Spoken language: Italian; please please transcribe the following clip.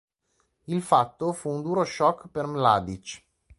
Il fatto fu un duro shock per Mladić.